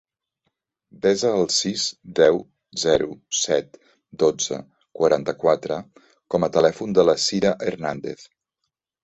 Desa el sis, deu, zero, set, dotze, quaranta-quatre com a telèfon de la Cira Hernandez.